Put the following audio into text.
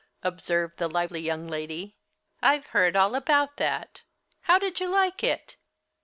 observed the lively young lady. "I've heard all about that. How did you like it?"